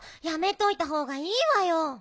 やめといたほうがいいわよ。